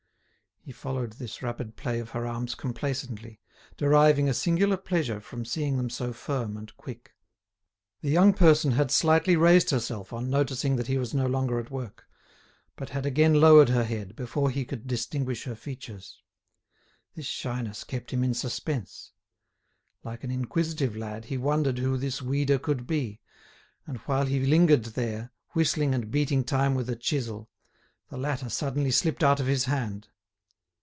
He followed this rapid play of her arms complacently, deriving a singular pleasure from seeing them so firm and quick. The young person had slightly raised herself on noticing that he was no longer at work, but had again lowered her head before he could distinguish her features. This shyness kept him in suspense. Like an inquisitive lad he wondered who this weeder could be, and while he lingered there, whistling and beating time with a chisel, the latter suddenly slipped out of his hand.